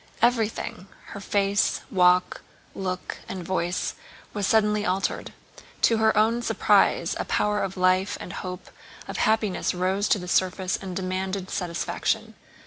Everything: her face, walk, look, and voice, was suddenly altered. To her own surprise a power of life and hope of happiness rose to the surface and demanded satisfaction.